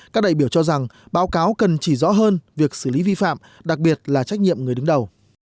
các đại biểu cho rằng báo cáo cần chỉ rõ hơn việc xử lý vi phạm đặc biệt là trách nhiệm người đứng đầu